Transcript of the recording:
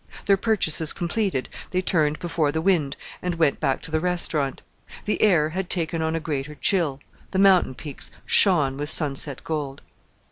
Their purchases completed, they turned before the wind and went back to the restaurant. The air had taken on a greater chill; the mountain peaks shone with sunset gold.